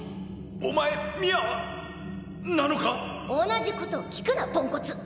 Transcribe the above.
お前ミャアなのか⁉同じことを聞くなポンコツ！